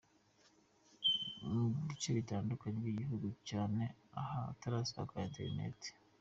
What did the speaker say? rw, mu bice bitandukanye by’igihugu cyanye ahatarasakara internet.